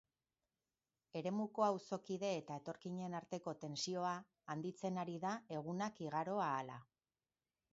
Eremuko auzokide eta etorkinen arteko tentsioa handitzen ari da egunak igaro ahala.